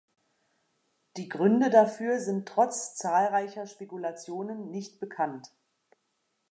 Die Gründe dafür sind trotz zahlreicher Spekulationen nicht bekannt.